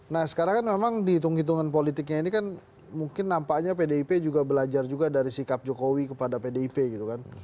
nah sekarang kan memang dihitung hitungan politiknya ini kan mungkin nampaknya pdip juga belajar juga dari sikap jokowi kepada pdip gitu kan